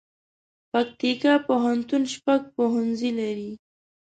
پکتيکا پوهنتون شپږ پوهنځي لري